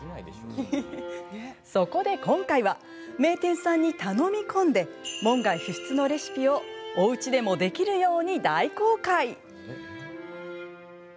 そこで今回は名店さんに頼み込んで門外不出のレシピをおうちでもできるように大公開。